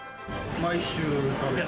毎週食べてます。